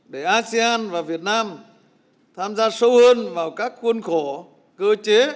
để asean và việt nam tham gia sâu hơn vào các khuôn khổ cơ chế